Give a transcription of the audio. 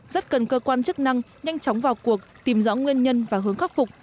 rất cần cơ quan chức năng nhanh chóng vào cuộc tìm rõ nguyên nhân và hướng khắc phục